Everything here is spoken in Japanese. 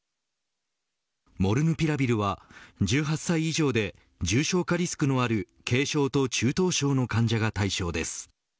モルヌピラビルは１８歳以上で重症化リスクのある軽症と中等症の患者が対象です。